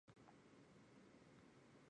煮沸一锅水后保持温度。